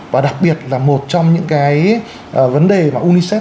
và đặc biệt là một trong những cái vấn đề mà unicef